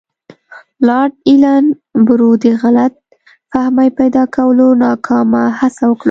لارډ ایلن برو د غلط فهمۍ پیدا کولو ناکامه هڅه وکړه.